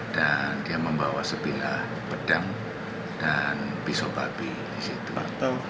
dan dia membawa sebilah pedang dan pisau babi di situ